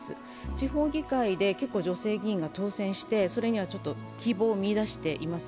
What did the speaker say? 地方議会で結構女性議員が当選してそれには希望を見出しています。